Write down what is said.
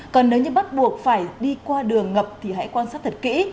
còn nếu như bắt buộc phải đi qua đường ngập thì hãy quan sát thật kỹ